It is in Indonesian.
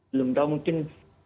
belum tahu mungkin